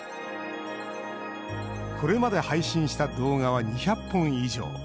これまで配信した動画は２００本以上。